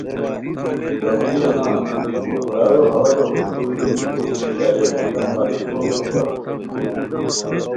وشلیو نان برارو ہوازو ہوݰ کوری روپھیکو کوشش اریر مگم قالیپ کوروم نو پرائے